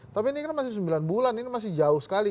tapi ini kan masih sembilan bulan ini masih jauh sekali